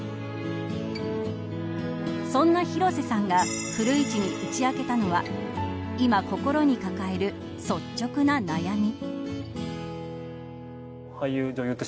そんな広瀬さんが古市に打ち明けたのは今、心に抱える率直な悩み。